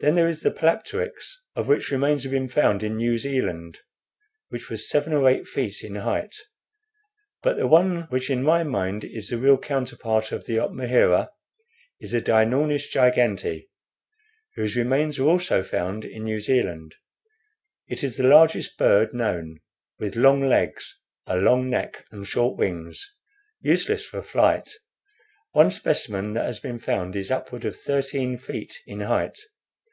Then there is the Palapteryx, of which remains have been found in New Zealand, which was seven or eight feet in height. But the one which to my mind is the real counterpart of the opmahera is the Dinornis gigantea, whose remains are also found in New Zealand. It is the largest bird known, with long legs, a long neck, and short wings, useless for flight. One specimen that has been found is upward of thirteen feet in height.